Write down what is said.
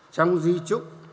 trong duy trúc